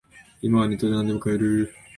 今はネットでなんでも買える